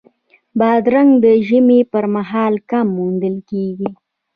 بادرنګ د ژمي پر مهال کم موندل کېږي.